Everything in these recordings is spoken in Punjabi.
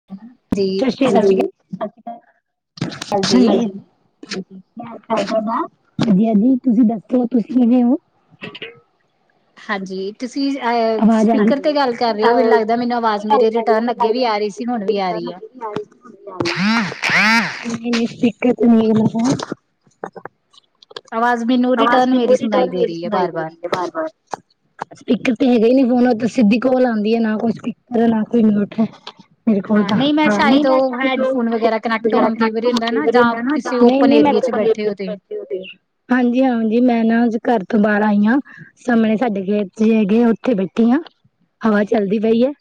[unintelligible] [unintelligible] ਜੀ ਸਤਿ ਸ਼੍ਰੀ ਅਕਾਲ ਜੀ ਵਧੀਆ ਜੀ ਤੁਸੀਂ ਦੱਸੋ ਤੁਸੀਂ ਕਿਵੇਂ ਹੋ। ਹਾਂਜੀ ਤੁਸੀਂ ਆਵਾਜ਼ ਆਂਦੀ ਸਪੀਕਰ ਤੇ ਗੱਲ ਕਰ ਰਹੇ ਹੋ ਮੈਨੂੰ ਅ ਲੱਗਦਾ ਮੈਨੂੰ ਆਵਾਜ਼ ਮੇਰੇ ਰਿਟਰਨ ਅੱਗੇ ਵੀ ਆ ਰਹੀ ਸੀ ਹੁਣ ਵੀ ਆ ਰਹੀ ਆ ਨਹੀਂ ਆ ਰਹੀ [inaudible] [inaudible] ਆਵਾਜ਼ ਮੈਨੂੰ ਰਿਟਰਨ ਮੇਰੀ ਸੁਣਾਈ ਦੇ ਰਹੀ ਹੈ ਬਾਰ ਬਾਰ ਤੇ ਹੈਗਾ ਹੀ ਨੀ, ਫੋਨ ਸਿੱਧੀ ਕੋਲ ਆਂਦੀ ਹੈ, ਨਾ ਕੋਈ ਸਪੀਕਰ ਨਾ ਕੋਈ ਮਿਊਟ ਹੈ। [inaudible] ਹਾਂ ਨਹੀਂ ਮੈਂ ਤਾਵੀਂ ਸ਼ਾਇਦ ਉਹ ਹੈਡਫੋਨ ਵਗੈਰਾ ਕਨੈਕਟ ਹੋਣ ਕਈ ਵਾਰੀ ਹੁੰਦਾ ਨਾ ਜਾਂ ਕਿਸੇ ਓਪਨ ਨੀ ਮੈਂ ਏਰੀਏ ਚ ਬੈਠੇ ਹੋ ਤੁਸੀਂ ਹਾਂਜੀ-ਹਾਂਜੀ, ਮੈਂ ਨਾ ਅੱਜ ਘਰ ਤੋਂ ਬਾਹਰ ਆਈ ਹਾਂ। ਸਾਮਣੇ ਸਾਡੇ ਖੇਤ ਜੇ ਹੈਗੇ ਆ, ਉੱਥੇ ਬੈਠੀ ਆ, ਹਵਾ ਚਲਦੀ ਪਈ ਹੈ।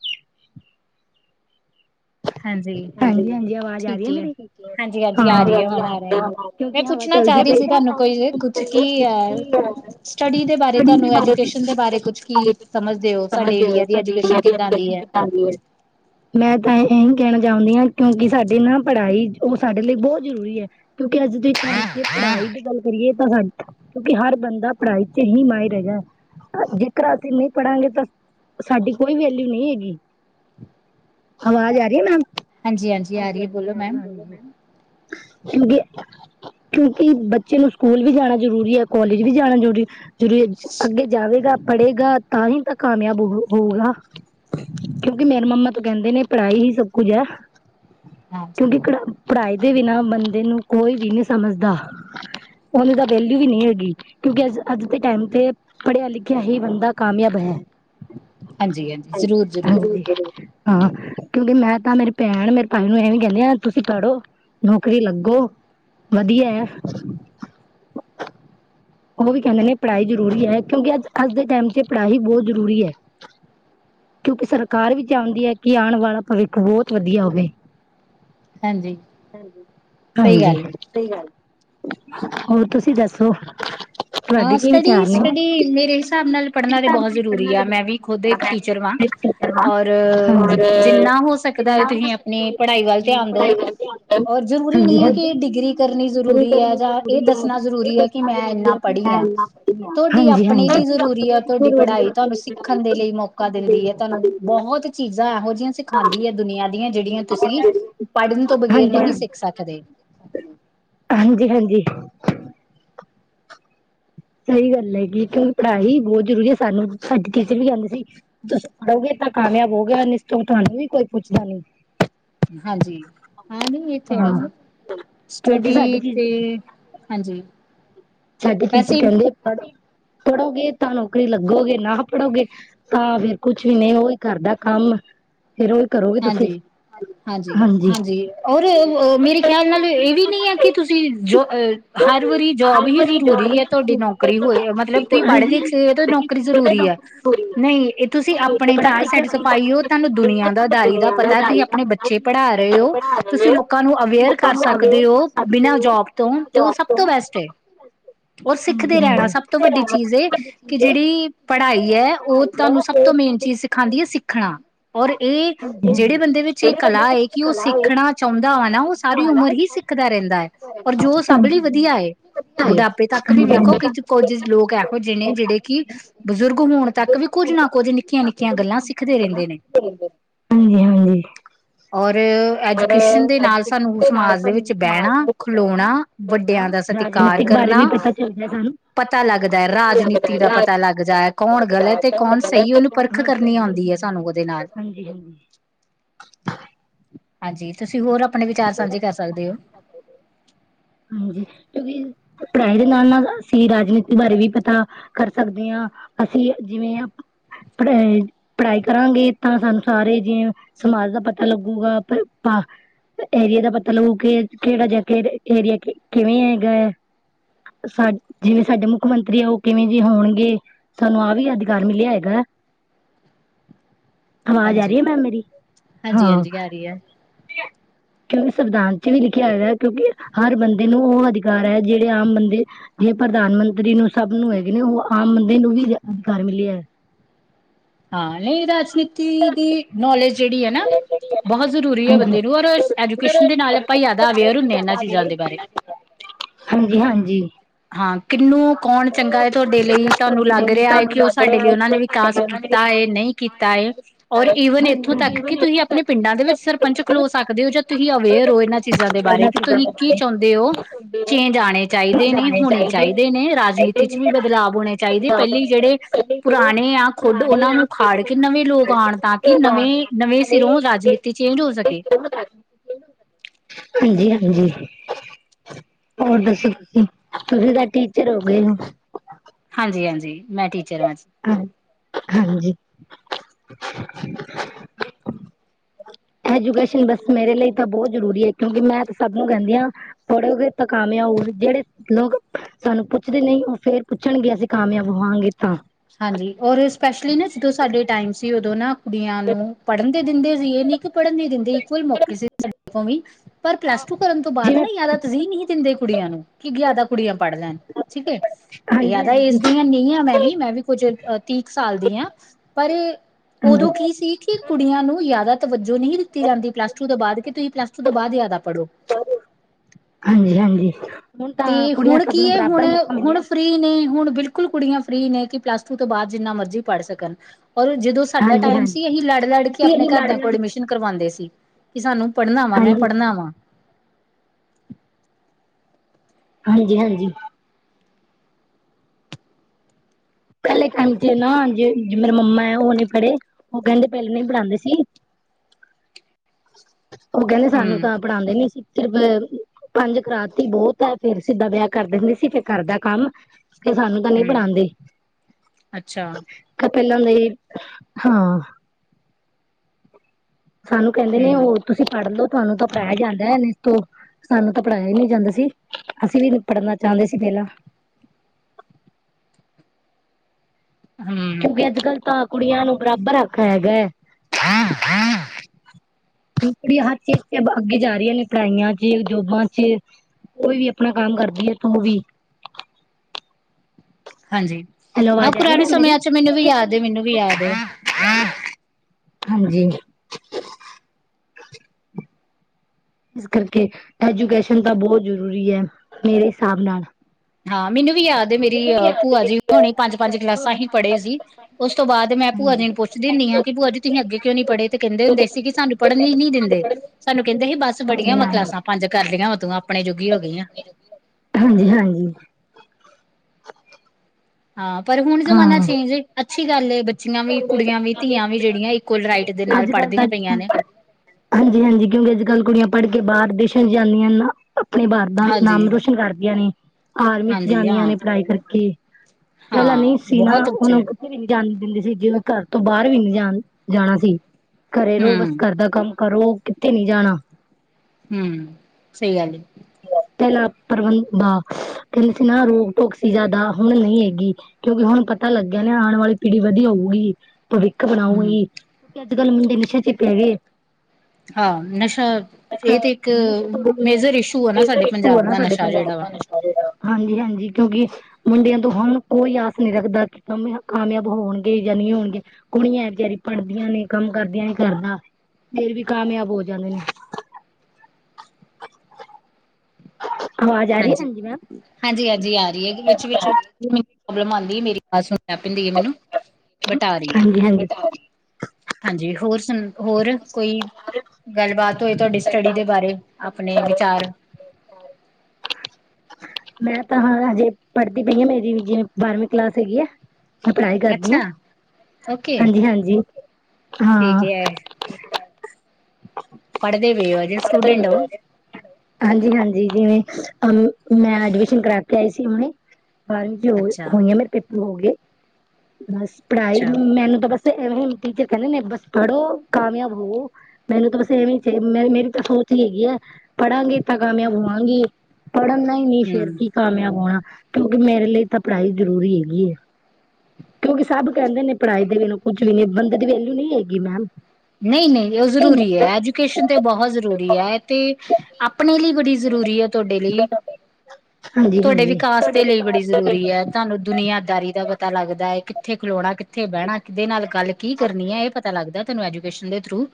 ਹਾਂਜੀ। ਹਾਂਜੀ-ਹਾਂਜੀ, ਆਵਾਜ਼ ਆ ਰਹੀ ਠੀਕ ਆ ਹੈ ਮੇਰੀ, ਕਿਉਂਕਿ ਹਵਾ ਹਾਂਜੀ ਹਾਂਜੀ ਆ ਰਹੀ ਹੈ ਹੁਣ ਆ ਰਹੀ ਹੈ ਮੈਂ ਪੁੱਛਣਾ ਚਾਹ ਚੱਲਦੀ ਰਹੀ ਪਈ। ਸੀ [inaudible] ਤੁਹਾਨੂੰ ਕੋਈ ਕੁਛ ਕੀ ਅ ਸਟੱਡੀ ਦੇ ਬਾਰੇ ਤੁਹਾਨੂੰ ਐਜੂਕੇਸ਼ਨ ਦੇ ਬਾਰੇ ਕੁਛ ਕੀ ਸਮਝਦੇ ਹੋ ਸਾਡੇ ਸਮਝਦੇ ਓ, ਇੰਡੀਆ ਦੀ ਤੁਆਡੀ ਐਜੂਕੇਸ਼ਨ ਇੰਡੀਆ ਦੀ [inaudible] ਕਿੱਦਾਂ ਹੈ ਤਾਂ ਏਹੀ ਕਹਿਣਾ ਚਾਹੁੰਦੀ ਹਾਂ, ਕਿਉਂਕਿ ਸਾਡੇ ਨਾ ਪੜ੍ਹਾਈ, ਓਸਾਡੇ ਲਈ ਬੋਤ ਜ਼ਰੂਰੀ ਹੈ। ਕਿਉਂਕਿ ਅੱਜ ਤੁਸੀਂ ਦੀ ਗੱਲ ਕਰੀਏ, ਪੜਾਈ ਦੀ ਗੱਲ ਕਰੀਏ ਤਾਂ ਸਾਡੀ ਕਿਉਂਕਿ ਹਰ ਬੰਦਾ ਪੜ੍ਹਾਈ ਚ ਹੀ ਮਾਹਿਰ ਹੈਗਾ, ਜੇਕਰ ਅਸੀਂ ਨਹੀਂ ਪੜ੍ਹਾਂਗੇ ਤਾਂ ਸਾਡੀ ਕੋਈ ਵੈਲਿਊ ਨਹੀਂ ਹੈਗੀ। ਆਵਾਜ਼ ਆ ਰਈ ਹੈ। ਮੈਮ ਹਾਂਜੀ-ਹਾਂਜੀ ਆ ਰਹੀ ਹੈ, ਬੋਲੋ ਮੈਮ [unintelligible] ਕਿਉ ਕੇ ਕਿਉਂਕਿ ਬੱਚੇ ਨੂੰ ਸਕੂਲ ਵੀ ਜਾਣਾ ਜ਼ਰੂਰੀ ਐ, ਕੌਲਜ ਵੀ ਜਾਣਾ ਜ਼ਰੂਰੀ ਹੈ, ਅੱਗੇ ਜਾਵੇਗਾ ਪੜ੍ਹੇਗਾ, ਤਾਂ ਹੀ ਤਾਂ ਕਾਮਯਾਬ ਹੋ ਹੋਊਗਾ। ਕਿਉਂਕਿ ਮੇਰੇ ਮੰਮਾ ਤੋਂ ਕੈਹਦੇ ਨੇ, ਪੜ੍ਹਾਈ ਹੀ ਸਭ ਕੁੱਝ ਹੈ। ਹਾਂਜੀ, ਕਿਉਂਕਿ ਪੜ੍ਹਾਈ ਦੇ ਬਿਨਾਂ ਬੰਦੇ ਨੂੰ ਕੋਈ ਵੀ ਨੀ ਸਮਝਦਾ। ਉਵੇ ਤਾਂ ਵੈਲਿਊ ਵੀ ਨੀ ਹੈਗੀ, ਕਿਉਂਕਿ ਅੱਜ ਅੱਜ ਦੇ ਟਾਈਮ ਤੇ ਪੜ੍ਹਿਆ-ਲਿਖਿਆ ਹੀ ਬੰਦਾ ਕਾਮਯਾਬ ਹੈ। ਹਾਂਜੀ-ਹਾਂਜੀ, ਜ਼ਰੂਰ-ਜ਼ਰੂਰ ਹਾਂ, ਕਿਉਂਕਿ ਮੈਂ ਤਾਂ ਮੇਰੀ ਭੈਣ ਮੇਰੇ ਭਾਈ ਨੂੰ ਐਵੇ ਵੀ ਕੈਹਨੀ ਆ, ਤੁਸੀਂ ਪੜੋ। ਨੌਕਰੀ ਲੱਗੋ ਵਧੀਆ ਐ। ਓ ਵੀ ਕੈਹਦੇ ਨੇ ਪੜ੍ਹਾਈ ਜ਼ਰੂਰੀ ਹੈ, ਕਿਉਂਕਿ ਅੱਜ ਦੇ ਟੈਮ ਚ ਪੜ੍ਹਾਈ ਹੀ ਬੋਤ ਜ਼ਰੂਰੀ ਹੈ। ਕਿਉਂਕਿ ਸਰਕਾਰ ਵੀ ਚਾਹੁੰਦੀ ਹੈ, ਕਿ ਆਂਣ ਵਾਲਾ ਭਵਿੱਖ ਬੋਤ ਵਧੀਆ ਹੋਵੇ। ਹਾਂਜੀ ਸਹੀ ਹਾਂਜੀ। ਗੱਲ ਏ। ਸਹੀ ਗੱਲ ਹੋਰ ਤੁਸੀਂ ਦੱਸੋ? ਤੁਹਾਡੇ ਹਾਂ, ਕੀ ਸਟੱਡੀ ਵਿਚਾਰ ਨੇ? -ਸਟੱਡੀ ਮੇਰੇ ਹਿਸਾਬ ਨਾਲ ਪੜ੍ਹਨਾ ਤੇ ਬੋਤ ਜ਼ਰੂਰੀ ਆ, ਮੈਂ ਵੀ ਖੁਦ ਇੱਕ ਟੀਚਰ ਵਾਂ। ਔਰ ਹਾਂ। ਜਿੰਨਾ ਹੋ ਸਕਦਾ ਹੈ, ਤੁਸੀਂ ਆਪਣੀ ਪੜ੍ਹਾਈ ਵੱਲ ਧਿਆਨ ਦਿਓ। ਔਰ ਜ਼ਰੂਰੀ ਹਾਂਜੀ ਨਹੀ ਐ, ਹਾਂ। ਕਿ ਡਿਗਰੀ ਕਰਨੀ ਜ਼ਰੂਰੀ ਹੈਜਾਂ ਇਹ ਦੱਸਣਾ ਜ਼ਰੂਰੀ ਹੈ, ਕਿ ਮੈਂ ਏਨਾ ਪੜ੍ਹੀ ਆ, ਤੁਹਾਡੀ ਹਾਂਜੀ ਹਾਂਜੀ। ਆਪਣੇ ਲਈ ਜ਼ਰੂਰੀ ਆ, ਤੁਹਾਡੀ ਪੜ੍ਹਾਈ ਤੁਹਾਨੂੰ ਸਿੱਖਣ ਦੇ ਲਈ ਮੌਕਾ ਕਾ ਦਿੰਦੀ ਹੈ, ਤੁਹਾਨੂੰ ਬਹੁਤ ਚੀਜ਼ਾਂ ਇਹੋ ਜਿਹੀਆਂ ਸਿਖਾਂਦੀ ਹੈ, ਦੁਨੀਆਂ ਦੀਆਂ ਜੇੜੀਆਂ ਤੁਸੀਂ ਪੜ੍ਹਨ ਤੋਂ ਬਗੈਰ ਨਹੀਂ ਸਿੱਖ ਸਕਦੇ। ਹਾਂਜੀ-ਹਾਂਜੀ। ਸਹੀ ਗੱਲ ਹੈਗੀ, ਕਿਉਂਕਿ ਪੜ੍ਹਾਈ ਬੋਤ ਜ਼ਰੂਰੀ ਹੈ, ਸਾਨੂੰ ਸਾਡੇ ਟੀਚਰ ਵੀ ਕਹਿੰਦੇ ਸੀ। ਤੁਸੀਂ ਪੜੋਗੇ ਤਾਂ ਕਾਮਯਾਬ ਹੋ ਗਿਆ, ਨਿਸ ਤੋਂ ਤੁਹਾਨੂੰ ਵੀ ਕੋਈ ਪੁੱਛਦਾ ਨੀ। ਹਾਂਜੀ, ਹਾਂ ਨਹੀ ਏਥੇ ਹਾਂ। ਆਜੀ ਕਿਉਂਕਿ ਸਾਡੀ ਸਟੱਡੀ ਚੀਜ਼ ਤ ਹਾਂਜੀ। ਸਾਡੇ ਟੀਚਰ ਵੈਸੇ ਕੈਹਦੇ, ਪੜੋ ਪੜੋਗੇ ਤਾਂ ਨੌਕਰੀ ਲੱਗੋਗੇ ਨਾ ਪੜ੍ਹੋਗੇ। ਤਾਂ ਫੇਰ, ਕੁਛ ਵੀ ਨਹੀਂ, ਓ ਹੀ ਘਰਦਾ ਕੰਮ, ਫੇਰ ਓਹੀ ਕਰੋਗੇ ਤੁਸੀਂ। ਹਾਂਜੀ। ਹਾਂਜੀ-ਹਾਂਜੀ, ਔਰ ਮੇਰੇ ਖਿਆਲ ਨਾਲ, ਏਹ ਵੀ ਨਹੀਂ ਹੈ ਕਿ ਤੁਸੀਂ ਜੋ ਹਰ ਵਾਰੀ ਜੋਬ ਹੀ ਜ਼ਰੂਰੀ ਹੈ ਤੁਹਾਡੀ ਨੌਕਰੀ ਹੋਏ, ਮਤਲਬ ਤੁਸੀਂ ਪੜ੍ਹੇ ਲਿਖ ਸਕ ਹੋ ਨੌਕਰੀ ਜ਼ਰੂਰੀ ਹੈ। ਨਹੀਂ ਇਹ ਤੁਸੀਂ ਆਪਣੇ ਤੱਕ ਸੈਟਸਫਾਈ ਹੋ, ਤੁਹਾਨੂੰ ਦੁਨੀਆਂ ਦਾਰੀ ਦਾ ਪਤਾ, ਤੁਸੀਂ ਆਪਣੇ ਬੱਚੇ ਪੜ੍ਹਾ ਰਹੇ ਹੋ, ਤੁਸੀਂ ਲੋਕਾਂ ਨੂੰ ਅਵੇਅਰ ਕਰ ਸਕਦੇ ਹੋ। ਬਿਨਾਂ ਜੋਬ ਤੋਂ, ਤੇ ਉਹ ਸਭ ਤੋਂ ਬੈਸਟ ਏ। ਔਰ ਹਾਂਜੀ ਸਿੱਖਦੇ ਰਹਿਣਾ, ਹਾਂਜੀ। ਸਭ ਤੋਂ ਵੱਡੀ ਚੀਜ਼ ਇਹ ਕਿ ਜਿਹੜੀ ਪੜ੍ਹਾਈ ਹੈ, ਉਹ ਤੁਹਾਨੂੰ ਸਭ ਤੋਂ ਮੇਨ ਚੀਜ਼ ਸਿਖਾਉਂਦੀ ਹੈ ਸਿੱਖਣਾ। ਔਰ ਇਹ, ਹਾਂਜੀ ਜਿਹੜੇ ਹਾਂਜੀ ਬੰਦੇ ਵਿੱਚ ਇਹ ਕਲਾ ਹੈ ਕਿ ਉਹ ਸਿੱਖਣਾ ਚਾਹੁੰਦਾ ਵਾ ਨਾ, ਉਹ ਸਾਰੀ ਉਮਰ ਹੀ ਸਿੱਖ ਦਾ ਰਹਿੰਦਾ ਹੈ ਔਰ ਜੋ ਸਭ ਲਈ ਵਧੀਆ ਹਾਂਜੀ ਏ, ਬੁਢਾਪੇ ਤੱਕ ਵੀ ਵੇਖੋ ਹਾਂਜੀ। ਕਿ ਕੁੱਝ ਲੋਕ ਇਹੋ ਜਿਹੇ ਨੇ, ਜਿਹੜੇ ਕਿ ਬਜ਼ੁਰਗ ਹੋਣ ਤੱਕ ਵੀ ਕੁੱਝ ਨਾ ਕੁੱਝ, ਨਿੱਕੀਆਂ ਨਿੱਕੀਆਂ ਗੱਲਾਂ ਸਿੱਖਦੇ ਰਹਿੰਦੇ ਨੇ। ਹਾਂਜੀ ਹਾਂਜੀ ਔਰ ਐਜੂਕੇਸ਼ਨ ਦੇ ਨਾਲ ਸਾਨੂੰ ਸਮਾਜ ਦੇ ਵਿੱਚ ਬਹਿਣਾ, ਖਲੋਣਾ, ਵੱਡਿਆਂ ਦਾ ਸਤਿਕਾਰ ਰਾਜਨੀਤਿਕ ਬਾਰੇ ਕਰਨਾ ਵੀ, ਪਤਾ ਚੱਲ ਰਿ ਸਾਨੂੰ ਪਤਾ ਲੱਗਦਾ ਹੈ ਰਾਜਨੀਤੀ ਦਾ ਪਤਾ ਲੱਗਦਾ ਹੈ, ਕੌਣ ਗਲਤ ਤੇ ਕੌਣ ਸਹੀ ਉਹਨੂੰ ਪਰ ੱਪਰਖ ਕਰਨੀ ਆਉਂਦੀ ਹੈ ਸਾਨੂੰ, ਉਹਦੇ ਨਾਲ। ਹਾਂਜੀ-ਹਾਂਜੀ। ਹਾਂਜੀ, ਤੁਸੀਂ ਹੋਰ ਆਪਣੇ ਵਿਚਾਰ ਸਾਂਝੇ ਕਰ ਸਕਦੇ ਹੋ। ਹਾਂਜੀ, ਕਿਉਂਕਿ ਪੜਾਈ ਦੇ ਨਾਲ- ਨਾਲ ਅਸੀਂ ਰਾਜਨੀਤੀ ਬਾਰੇ ਵੀ ਪਤਾ ਕਰ ਸਕਦੇ ਹਾਂ, ਅਸੀਂ ਜਿਵੇਂ ਪੜ੍ਹਾਈ ਕਰਾਂਗੇ ਤਾਂ, ਸਾਨੂੰ ਸਾਰੇ ਜਿਵੇ ਸਮਾਜ ਦਾ ਪਤਾ ਲੱਗੂਗਾ ਪੇਰ ਪਾ ਏਰੀਏ ਦਾ ਪਤਾ ਲੂ ਕਿ ਕਿਹੜਾ ਜਿਹਾ, ਕਿ ਏਰੀਆ ਕਿਵੇਂ ਹੈਗਾ। ਸਾ ਜਿਵੇਂ ਸਾਡੇ ਮੁੱਖ ਮੰਤਰੀ, ਔਹ ਕਿਵੇਂ ਜੇ ਹੋਣਗੇ। ਸਾਨੂੰ ਆਹ ਵੀ ਅਧਿਕਾਰ ਮਿਲਿਆ ਹੈਗਾ। ਆਵਾਜ਼ ਆ ਹਾਂਜੀ, ਰਹੀ ਹੈ ਮੈਮ ਮੇਰੀ ਹਾਂਜੀ ਹਾਂ ਹਾਂਜੀ ਕਰ ਹੀ ਹੈ। ਕਿਉਂਕਿ ਸੰਵਿਧਾਨ 'ਚ ਵੀ ਲਿਖਿਆ ਹੋਇਆ, ਕਿਉਂਕਿ ਹਰ ਬੰਦੇ ਨੂੰ ਉਹ ਅਧਿਕਾਰ ਹੈ ਜਿਹੜੇ ਆਮ ਬੰਦੇ ਜੇ ਪ੍ਰਧਾਨ ਮੰਤਰੀ ਨੂੰ ਸਭ ਨੂੰ ਹੈਗੇ ਨੇ, ਉਹ ਆਮ ਬੰਦੇ ਨੂੰ ਵੀ ਅਧਿਕਾਰ ਮਿਲੀ ਹੈ। ਹਾਂ ਨਹੀਂ, ਰਾਜਨੀਤੀ ਦੀ ਨੌਲੇਜ ਜਿਹੜੀ ਹੈ ਨਾ ਬਹੁਤ ਜ਼ਰੂਰੀ ਹੈ ਹਾਂਜੀ ਬੰਦੇ ਨੂੰ, ਔਰ ਐਜੂਕੇਸ਼ਨ ਦੇ ਨਾਲ ਆਪਾਂ ਯਾਆਦਾ ਅਵੇਅਰ ਹੁੰਦੇ ਹ ਇਹਨਾਂ ਚੀਜ਼ਾਂ ਦੇ ਬਾਰੇ। [inaudible] ਹਾਂਜੀ, ਹਾਂਜੀ। ਹਾਂ ਕਿੰਨੂੰ ਕੌਣ ਚੰਗਾ ਹੈ ਤੁਹਾਡੇ ਲਈ, ਤੁਹਾਨੂੰ ਲੱਗ ਰਿਹਾ ਹੈ ਕਿ ਉਹ ਸਾਡੇ ਲਈ ਉਹਨਾਂ ਨੇ ਵਿਕਾਸ ਕੀ ਤਾ ਏ, ਨਹੀਂ ਕੀਤਾ ਏ, ਔਰ ਈਵਨ ਇੱਥੋਂ ਹਾਂਜੀ ਤੱਕ ਕਿ ਤੁਸੀਂ ਆਪਣੇ ਪਿੰਡਾਂ ਦੇ ਵਿੱਚ ਸਰਪੰਚ ਖਲੋ ਸਕਦੇ ਹੋ ਜੋ ਤੁਹੀਂ ਅਵੇਅਰ ਹੋ ਇਹਨਾਂ ਚੀਜ਼ਾਂ ਦੇ ਬਾਰੇ, ਇਹਨਾਂ ਕਿ ਚੀਜ਼ਾਂ ਤੁਹੀਂ ਦੇ ਕੀ ਚੋਹੁੰਦੇ ਹੋ ਬਾਰੇ ਚੇਂਜ ਆਣੇ ਚਾਹੀਦੇ ਨੇ, ਹੋਣੇ ਚਾਹੀਦੇ ਨੇ ਨਈਂ ਰਾਜਨੀਤੀ 'ਚ ਵੀ ਬਦਲਾਵ ਹੋਣੇ ਚਾਹੀਦੇ, ਪਹਿਲੀ ਜਿਹੜੇ ਪੁਰਾਣੇ ਆ ਖੁੱਡ ਔਹਨਾਂ ਨੂੰ ਉ ਖਾੜ ਕੇ ਨਵੇਂ ਲੋਕ ਆਉਣ, ਤਾਂ ਕਿ ਨਵੇਂ ਨਵੇਂ ਸਿਰੋਂ ਰਾਜਨੀਤੀ ਚੇਂਜ ਹੋ ਸਕੇ। [inaudible] ਹਾਂਜੀ, ਹਾਂਜੀ। ਹੋਰ ਦੱਸੋ ਤੁਸੀਂ, ਤੁਸੀਂ ਤਾਂ ਟੀਚਰ ਹੋ ਗਏ ਹੋ। ਹਾਂਜੀ, ਹਾਂਜੀ ਮੈਂ ਟੀਚਰ ਵਾਂ ਜ ਹਾਂ, ਹਾਂਜੀ। [unintelligible] ਐਜੂਕੇਸ਼ਨ ਬਸ ਮੇਰੇ ਲਈ ਤਾਂ ਬਹੁਤ ਜ਼ਰੂਰੀ ਹੈ, ਕਿਉਂਕਿ ਮੈਂ ਤਾਂ ਸਭ ਨੂੰ ਕਹਿੰਦੀ ਹਾਂ ਪੜੋਗੇ ਤਾਂ ਕਾਮਯ ਹੋ, ਜਿਹੜੇ ਲੋਕ ਸਾਨੂੰ ਪੁੱਛਦੇ ਨਹੀਂ, ਉਹ ਫੇਰ ਪੁੱਛਣਗੇ ਅਸੀ ਕਾਮਯਾਬ ਰਹਾਂਗੀ ਤਾਂ। ਹਾਂਜੀ, ਔਰ ਸਪੈਸ਼ਲੀ ਨਾ ਜਦੋਂ ਸਾਡੇ ਟਾਈਮ ਸੀ, ਉਦੋਂ ਨਾ ਕੁੜੀਆਂ ਨੂੰ ਪੜ੍ਹਨ ਦੇ ਦਿੰਦੇ ਨਈਂ ਏ ਨੀ ਕੀ ਪੜਨ ਨੀ ਦਿੰਦੇ ਈਕਵਲ ਮੋਕੇ ਸੀ ਸਾਡੇ ਕੋ ਵੀਂ। ਪਰ ਪਲੱਸ ਟੂ ਕਰਨ ਤੋਂ ਬਾਅਦ ਜਿਵੇਂ ਨਾ ਜ਼ਿਆਦਾ ਤਜ਼ੀਹ ਨਹੀਂ ਦਿੰਦੇ ਕੁੜੀਆਂ ਨੂੰ ਕਿ ਜਿਆਦਾ ਕੁੜੀਆਂ ਪੜ੍ਹ ਲੈਣ। ਠੀਕ ਐ, ਹਾਂਜੀ ਯਿਆਦਾ ਹਾਂਜੀ ਏਜ਼ ਦੀ ਆਂ ਨਈਂ ਆ ਮੈਂ ਵੀ, ਮੈਂ ਵੀ ਕੁਝਹ ਤੀਹ ਕ ਸਾਲ ਦੀ ਆ ਪਰ ਹਾਂਜੀ ਉਦੋਂ ਕੀ ਸੀ ਕਿ ਕੁੜੀਆਂ ਨੂੰ ਜ਼ਿਆਦਾ ਤਵੱਜੋ ਨਹੀਂ ਕੀਤੀ ਜਾਂਦੀ, ਪਲੱਸ ਟੂ ਤੋਂ ਬਾਅਦ ਕਿ ਤੁਸੀਂ ਪਲੱਸ ਟੂ ਤੋਂ ਬਾਅਦ ਜ਼ਿਆਦਾ ਪੜ੍ਹੋ। [unintelligible] ਹਾਂਜੀ ਹਾਂਜੀ, ਹੁਣ ਤਾਂ ਕੁੜੀਆਂ ਸਭ ਨੂੰ ਬਰਾਬਰ ਮੌਕਾ ਮਿਲਿਆ। ਫਰੀ ਨੇ ਹੁਣ ਬਿਲਕੁਲ ਕੁੜੀਆਂ ਫਰੀ ਨੇ ਕਿ ਪਲੱਸ ਟੂ ਤੋਂ ਬਾਅਦ ਜਿੰਨਾ ਮਰਜ਼ੀ ਪੜ੍ਹ ਸਕਣ ਔਰ ਜਦੋਂ ਸਾਡਾ ਹਾਂਜੀ ਟਾਈਮ ਹਾਂਜੀ ਸੀ ਅਸੀਂ ਲੜ, ਲੜ ਟਾਈਮ ਕੇ ਸੀ ਆਪਣੇ ਇੰਨੀ ਲੜ ਘਰਦਿਆਂ ਲੜ ਕੋਲ ਕੇ ਐਡਮਿਸ਼ਨ ਕਰਵਾਂਦੇ ਸੀ। ਕਿ ਸਾਨੂੰ ਪੜ੍ਹਨਾ ਵਾ, ਮੈਂ ਹਾਂਜੀ ਪੜ੍ਹਨਾ ਵਾ। ਹਾਂਜੀ, ਹਾਂਜੀ। ਪਹਿਲੇ ਟਾਈਮ ਚ ਨਾ ਜੇ ਮੇਰੇ ਮੰਮਾ ਐ, ਉਹ ਨੀ ਪੜ੍ਹੇ ਉਹ ਕੈਂਦੇ ਪਹਿਲੇ ਨਈਂ ਪੜਾਂਦੇ ਸੀ। ਉਹ ਕੈਂਦੇ ਸਾਨੂੰ ਹਮ ਤਾਂ ਪੜ੍ਹਾਂਦੇ ਨੀ ਸੀ, ਸਿਰਫ ਅ ਪੰਜ ਕਰਾਤੀ ਬੋਤ ਐ, ਫੇਰ ਸਿੱਧਾ ਵਿਆਹ ਕਰਦੇ ਹੁੰਦੇ ਸੀ ਫਿਰ ਘਰ ਦਾ ਕੰਮ ਤੇ ਸਾਨੂੰ ਤਾਂ ਨਈਂ ਹਮ ਪੜਾਂਦੇ। ਅੱਛਾ ਕੇ ਪਹਿਲਾਂ ਦੇ ਈ, ਹਾਂ। ਸਾਨੂੰ ਕੈਂਦੇ ਨੇ ਹਮ ਉਹ ਤੁਸੀਂ ਪੜ੍ਹ ਲਓ, ਤੁਹਾਨੂੰ ਤਾਂ ਪੈ ਜਾਂਦਾ ਨਈਂ ਤੋ ਸਾਨੂੰ ਤਾਂ ਪੜ੍ਹਾਇਆ ਈ ਨਈਂ ਜਾਂਦਾ ਸੀ, ਅਸੀਂ ਵੀ ਪੜ੍ਹਨਾ ਚਾਂਦੇ ਸੀ ਪਹਿਲਾਂ। ਹਮ ਕਿਉਂਕਿ ਅੱਜ-ਕਲ ਤਾਂ ਕੁੜੀਆਂ ਨੂੰ ਬਰਾਬਰ ਹੱਕ ਹੈਗਾ। ਹੁਣ ਕੁੜੀਆਂ ਹਰ ਚੀਜ਼ ਚ ਬ ਅੱਗੇ ਜਾ ਰਹੀਆਂ ਨੇ ਪੜ੍ਹਾਈਆਂ ਚ, ਜੋਬਾਂ ਚ ਕੋਈ ਵੀ ਆਪਣਾ ਕੰਮ ਕਰਦੀ ਐ ਤੂੰ ਵੀ ਹਾਂਜੀ। ਹੈਲੋ ਹਾਂ ਆਵਾਜ ਆ ਰਹੀਂ ਐ ਪੁਰਾਣੇ ਮੈਮ ਮੇਰੀ, ਸਮਿਆਂ ਚ ਮੈਨੂੰ ਵੀ ਯਾਦ ਹੈ ਮੈਨੂੰ ਵੀ ਯਾਦ ਹੈ ਹਾਂਜੀ ਇਸ ਕਰਕੇ ਐਜੂਕੇਸ਼ਨ ਤਾਂ ਬਹੁਤ ਜ਼ਰੂਰੀ ਓ ਮੇਰੇ ਹਿਸਾਬ ਨਾਲ। ਹਾਂ ਮੈਨੂੰ ਵੀ ਯਾਦ ਮੇਰੀ ਅ ਭੂਆ ਜੀ ਹੋਣੀ ਪੰਜ-ਪੰਜ ਕਲਾਸਾਂ ਹੀ ਪੜ੍ਹੇ ਸੀ ਉਸ ਤੋਂ ਬਾਅਦ ਮੈਂ ਭੂਆ ਜੀ ਹਾਂਜੀ ਨੂੰ ਪੁੱਛ ਪੁੱਛਦੀ ਦੀ ਹੁਣੀ ਆਂ ਕਿ ਹਾਂਜੀ ਭੂਆ ਜੀ ਤੁਸੀਂ ਅੱਗੇ ਕਿਉਂ ਨੀ ਪੜ੍ਹੇ ਤੇ ਕੈਂਦੇ ਹੁੰਦੇ ਹਾਂਜੀ ਸੀ ਕਿ ਸਾਨੂੰ ਪੜਨ ਈ ਨਈਂ ਦਿੰਦੇ। ਸਾਨੂੰ ਕੈਂਦੇ ਹੀ ਬਸ ਬੜੀਆਂ ਵਾ ਕਲਾਸਾਂ ਪੰਜ ਕਰਲੀਆਂ ਵਾਂ ਤੂੰ ਆਪਣੇ ਜੋਗੀ ਹੋ ਗਈ ਆਂ [inaudible] ਹਾਂਜੀ, ਹਾਂਜੀ। ਹਾਂ ਪਰ ਹੁਣ ਜਮਾਨਾ ਚੇਂਜ ਏ ਅੱਛੀ ਗੱਲ ਏ, ਬੱਚੀਆਂ ਵੀ, ਕੁੜੀਆਂ ਵੀ, ਧੀਆਂ ਵੀ ਜਿਹੜੀਆਂ ਕੁਲ ਰਾਈਟ ਦੇ ਨਾਲ ਅੱਜ ਕੱਲ ਤਾਂ ਪੜ੍ਹਦੀਆਂ ਪਈਆਂ ਨੇ। ਹਾਂਜੀ, ਹਾਂਜੀ ਕਿਉਂਕਿ ਅੱਜ-ਕੱਲ੍ਹ ਕੁੜੀਆਂ ਪੜ੍ਹ ਕੇ ਬਾਰ ਦੇਸ਼ਾਂ ਚ ਜਾਂਦੀਆਂ ਏ ਨਾਂ ਆਪਣੇ ਬਾਪ ਦਾ ਨਾਮ ਹਾਂਜੀ-ਹਾਂਜੀ ਰੋਸ਼ਨ ਕਰਦੀਆਂ ਨੇ, ਆਰਮੀ ਚ ਹਾਂ। ਜਾਂਦੀਆਂ ਨੇ ਪੜ੍ਹਾਈ ਕਰਕੇ। ਪਹਿਲਾਂ ਹਾਂ। ਨਹੀਂ ਸੀ ਨਾ ਬਹੁਤ ਅੱਛੇ ਉਹਨੂੰ ਕਿਥੇਂ ਵੀ ਨਹੀਂ ਜਾਣ ਦਿੰਦੀ ਸੀ ਜਿਵੇ ਘਰ ਤੋਂ ਬਾਰ ਵੀ ਨ੍ਹੀਂ ਜਾਣ ਜਾਣਾ ਸੀ। ਘਰੇ ਰੰ ਬਸ ਘਰ ਹੂੰ-ਹੂੰ ਦਾ ਕੰਮ ਕਰੋ, ਕਿੱਥੇ ਨੀ ਜਾਣਾ। ਹਂ ਸਹੀ ਗੱਲ ਏ। ਪਹਿਲਾਂ ਪ੍ਰਬੰ ਦਾ ਕੈਂਦੇ ਸੀ ਨਾ ਰੋਕ-ਟੋਕ ਸੀ ਜ਼ਿਆਦਾ ਹੁਣ ਨਈਂ ਹੈਗੀ। ਕਿਉਂਕਿ ਹੁਣ ਪਤਾ ਲੱਗ ਗਿਆ ਨਾਂ ਆਣ ਵਾਲੀ ਪੀੜ੍ਹੀ ਵਧੀਆ ਹੋਊਗੀ। ਭਵਿੱਖ ਹੂੰ। ਬਣਾਉਗੀ ਕਿਉਂਕਿ ਅੱਜ-ਕੱਲ ਮੁੰਡੇ ਨਸ਼ਿਆਂ ਚ ਪੈ ਗੇ। ਹਾਂ ਨਸ਼ਾ ਇਹ ਤੇ ਇੱਕ ਮੇਜਰ ਇਸ਼ੂ ਆ ਨਾ ਸਾਡੇ ਮੇਜਰ ਇਸ਼ੂ ਆਂ ਪੰਜਾਬ ਨਾਂ ਦਾ ਸਾਡੇ ਨਸ਼ਾ ਪੰਜਾਬ ਜਿਹੜਾ ਵਾ ਦਾ ਨਸ਼ਾ ਜੇੜਾ ਹਾਂਜੀ, ਹਾਂਜੀ ਕਿਉਂਕਿ ਮੁੰਡਿਆਂ ਤੋਂ ਹੁਣ ਕੋਈ ਆਸ ਨਈ ਰੱਖਦਾ ਕਿ ਕਾਮਯਾਬ ਹੋਣਗੇ ਯਾ ਨਈਂ ਹੋਣਗੇ ਕੁੜੀਆਂ ਐ ਵਚਾਰੀ ਪੜ੍ਹਦੀਆਂ ਨੇ, ਕੰਮ ਕਰਦੀਆਂ ਨੇ ਘਰਦਾ ਫਿਰ ਵੀ ਕਾਮਯਾਬ ਹੋ ਜਾਂਦੀਆਂ। ਆਵਾਜ਼ ਆ ਰਹੀ ਹੈ ਹਾਂਜੀ ਮੈਮ ਹਾਂਜੀ-ਹਾਂਜੀ-ਹਾਂਜੀ ਆ ਰਈ ਹੈਗੀ ਵਿੱਚੋ ਵਿੱਚ ਮੈਨੂੰ ਪ੍ਰੋਬਲਮ ਆਂਦੀ ਏ ਮੇਰੀ ਆਵਾਜ਼ ਸੁਨ ਆਪ ਪਿੰਦੀ ਐ ਮੈਨੂੰ, ਬਟ ਆ ਰਈ ਐ। ਹਾਂਜੀ ਹਾਂਜੀ ਹਾਂਜੀ ਹੋਰ ਸਨ ਹੋਰ ਕੋਈ ਗੱਲਬਾਤ ਹੋਏ ਤੁਆਡੀ ਸਟੱਡੀ ਦੇ ਬਾਰੇ। ਆਪਨੇ ਵਿਚਾਰ ਮੈਂ ਤਾਂ ਹਾਂ ਹਜੇ ਪੜ੍ਹਦੀ ਪਈ ਆਂ ਮੇਰੀ ਵੀ ਜਿਵੇਂ ਬਾਰਵੀਂ ਕਲਾਸ ਹੈਗੀ ਆ। ਮੈਂ ਪੜ੍ਹਾਈ ਕਰਦੀ ਆਂ, ਅੱਛਾ ਓਕੇ ਹਾਂਜੀ-ਹਾਂਜੀ ਠੀਕ ਹਾਂ। [inaudible] ਹੈ ਪੜਦੇ ਪਏ ਓ ਅਜੇ ਸਟੂਡੈਂਟ ਓ। ਹਾਂਜੀ-ਹਾਂਜੀ ਜਿਵੇਂ ਅ ਮੈਂ ਐਡਮਿਸ਼ਨ ਕਰਾ ਕੇ ਆਈ ਸੀ ਹੁਨੇ। ਬਾਰਵੀਂ ਚ ਅੱਛਾ ਹੋਈ ਆਂ ਮੇਰੇ ਪੇਪਰ ਹੋਗੇ। ਬਸ ਪੜ੍ਹਾਈ ਅੱਛਾ ਮੈਨੂੰ ਤਾਂ ਬਸ ਹੁਨ ਟੀਚਰ ਕੈਂਦੇ ਨੇ ਬਸ ਪੜ੍ਹੋ ਕਾਮਯਾਬ ਹੋਵੋ। ਮੈਨੂੰ ਤਾਂ ਬਸ ਇਵੇਂ ਚ ਈ ਐ ਮੇਰੀ ਤਾਂ ਸੋਚ ਈ ਹੈਗੀ ਐ। ਪੜਾਂਗੀ ਤਾਂ ਕਾਮਯਾਬ ਹੋਵਾਂਗੀ, ਪੜ੍ਹਨ ਨਾਲ ਈ ਨਈ-ਨਈ ਫੇਰ ਹਮ ਕੀ ਕਾਮਯਾਬ ਹੋਨਾ ਕਿਓਂਕਿ ਮੇਰੇ ਲਈ ਤਾਂ ਪੜ੍ਹਾਈ ਜ਼ਰੂਰੀ ਹੈਗੀ ਏ। ਕਿਓਂਕਿ ਸਬ ਕੈਂਦੇ ਨੇ ਪੜ੍ਹਾਈ ਦੇ ਬਿਨਾਂ ਕੁਛ ਵੀ ਨੀ ਬੰਦੇ ਦੀ ਵੈਲਯੂ ਨਈਂ ਹੈਗੀ ਮੈਮ। ਨਈਂ-ਨਈਂ ਓ ਜ਼ਰੂਰੀ ਐ ਐਜੂਕੇਸ਼ਨ ਤੇ ਬਹੁ ਜ਼ਰੂਰੀ ਐ ਤੇ ਆਪਨੇ ਲਈ ਬੜੀ ਜ਼ਰੂਰੀ ਐ ਤੁਆਡੇ ਲਈ। ਹਾਂਜੀ ਤੁਆਡੇ ਹਾਂਜੀ ਵਿਕਾਸ ਦੇ ਲਈ ਬੜੀ ਜ਼ਰੂਰੀ ਐ ਤਾਨੂੰ ਦੁਨੀਆਦਾਰੀ ਦਾ ਪਤਾ ਲੱਗਦਾ ਏ ਕਿੱਥੇ ਖਲੋਨਾ ਕਿੱਥੇ ਬੈਨਾ ਕਿਦੇ ਨਾਲ ਗੱਲ ਕੀ ਕਰਨੀ ਏ ਏਹ ਪਤਾ ਲੱਗਦਾ। ਤਾਨੂੰ ਐਜੂਕੇਸ਼ਨ ਦੇ ਥਰੂ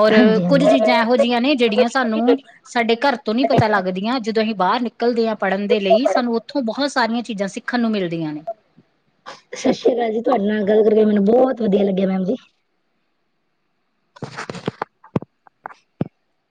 ਔਰ ਹਾਂਜੀ ਕੁੱਝ ਚੀਜ਼ਾਂ ਐਹੋ ਹਾਂਜੀ ਜੀਆਂ ਨੇ ਜੇੜੀਆਂ ਸਾਨੂੰ ਸਾਡੇ ਘਰ ਤੋਂ ਨੀ ਪਤਾ ਲੱਗਦੀਆਂ ਜਦੋਂ ਅਸੀਂ ਬਾਰ ਨਿਕ ਨਿਕਲਦੇ ਆ ਪੜ੍ਹਨ ਦੇ ਲਈ ਸਾਨੂੰ ਓਥੋਂ ਬਹੁਤ ਸਾਰੀਆਂ ਚੀਜ਼ਾਂ ਸਿੱਖਨ ਨੂੰ ਮਿਲਦੀਆਂ ਨੇ। ਸਸ ਰੀ ਕਾਲ ਜੀ ਤੁਆਡੇ ਨਾਲ ਗੱਲ ਕਰਕੇ ਮੈਨੂੰ ਬੋਤ ਵਦੀਆ ਲੱਗੇਆ ਮੈਮ ਜੀ। [inaudible]